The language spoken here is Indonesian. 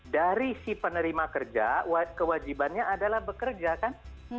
dari si penerima kerja kewajibannya adalah bekerja kan